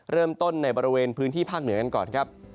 เริ่มต้นในบริเวณพื้นที่ภาคเหนือกันก่อนครับ